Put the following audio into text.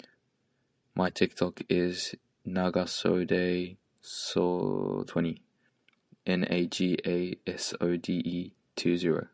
They provide several benefits to developers, making the code more modular, maintainable, and scalable.